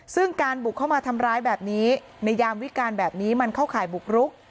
ซึ่งการบุกเข้ามาทำร้ายแบบนี้ในยามวิการแบบนี้มันเข้าข่ายบุกรุก